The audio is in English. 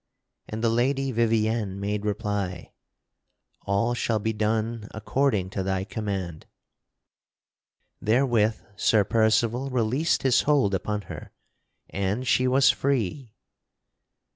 And the Lady Vivien made reply: "All shall be done according to thy command." Therewith Sir Percival released his hold upon her and she was free.